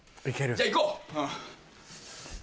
じゃあ行こう！